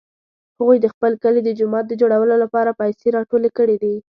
هغوی د خپل کلي د جومات د جوړولو لپاره پیسې راټولې کړې دي